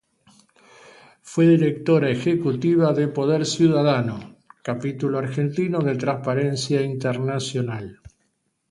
Fue Directora Ejecutiva de Poder Ciudadano, Capítulo Argentino de Transparencia Internacional.